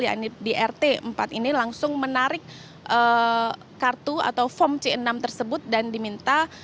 yakni di rt empat ini langsung menarik kartu atau form c enam tersebut dan diminta